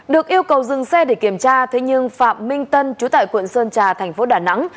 được yêu cầu dừng xe để kiểm tra thế nhưng phạm minh tân chú tại quận sơn trà thành phố đà nẵng